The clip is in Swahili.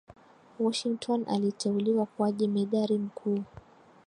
Washington aliteuliwa kuwa jemedari mkuu